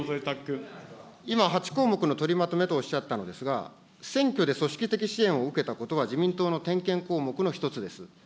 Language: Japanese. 今、８項目の取りまとめとおっしゃったのですが、選挙で組織的支援を受けたことは自民党の点検項目の１つです。